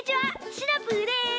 シナプーです。